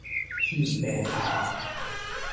剃平頭